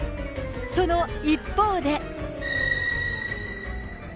その一方で。